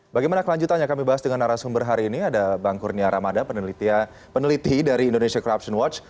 bagaimana kelanjutannya kami bahas dengan arah sumber hari ini ada bang kurnia ramadan peneliti dari indonesia corruption watch